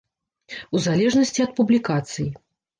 У залежнасці ад публікацый.